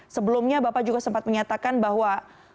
sebelumnya bapak juga sempat menyatakan bahwa